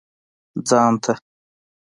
ځان ته.